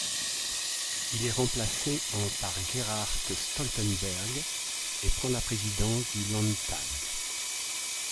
Il est remplacé en par Gerhard Stoltenberg et prend la présidence du Landtag.